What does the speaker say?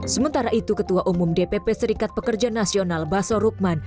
sementara itu ketua umum dpp serikat pekerja nasional baso rukman